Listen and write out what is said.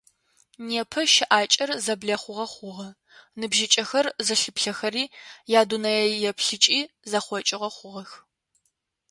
Непэ щыӀакӀэр зэблэхъугъэ хъугъэ, ныбжьыкӀэхэр зылъыплъэхэри, ядунэееплъыкӀи зэхъокӀыгъэ хъугъэх.